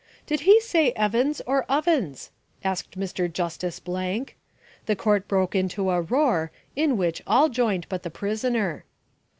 Did he say 'Evans or Ovens?' asked Mr. Justice Blank. The court broke into a roar, in which all joined but the prisoner...."